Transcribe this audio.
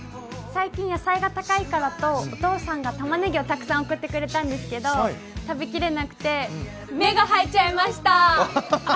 最近、野菜が高いからとお父さんがたまねぎをたくさん送ってくれたんですけど食べきれなくて、芽が生えちゃいました。